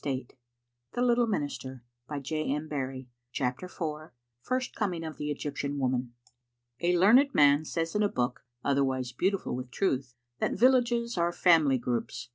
Would they come again? Digitized by VjOOQ IC CHAPTER IV. FIRST COMING OF THE EGYPTIAN WOMAN. A LEARNED man says in a book, otherwise beautiful with truth, that villages are family groups.